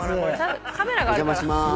お邪魔しまーす。